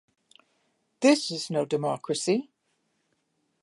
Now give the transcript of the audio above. This is no democracy.